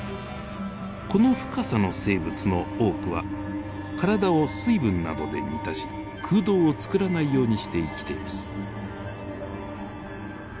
この深さの生物の多くは体を水分などで満たし空洞を作らないようにして生きています。